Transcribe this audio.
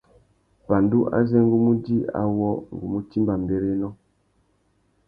Pandú azê ngu mú djï awô, ngu mú timba mbérénó.